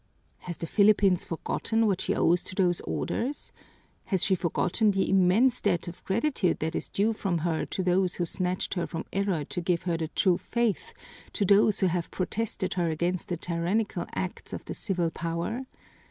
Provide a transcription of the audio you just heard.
"Has the Philippines forgotten what she owes to those orders? Has she forgotten the immense debt of gratitude that is due from her to those who snatched her from error to give her the true faith, to those who have protected her against the tyrannical acts of the civil power?